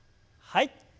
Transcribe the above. はい。